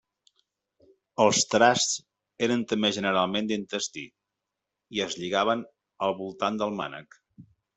Els trasts eren també generalment d'intestí, i es lligaven al voltant del mànec.